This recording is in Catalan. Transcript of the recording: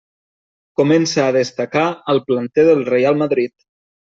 Comença a destacar al planter del Reial Madrid.